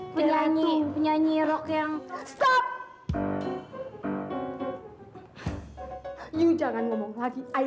penyanyi penyanyi rock yang stop yuk jangan ngomong lagi ayo